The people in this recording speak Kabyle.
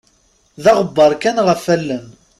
D aɣebbaṛ kan ɣef allen.